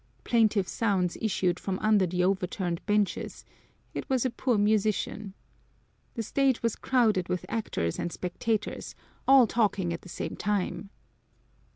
Plaintive sounds issued from under the overturned benches it was a poor musician. The stage was crowded with actors and spectators, all talking at the same time.